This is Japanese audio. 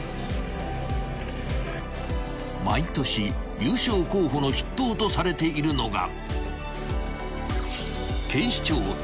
［毎年優勝候補の筆頭とされているのが］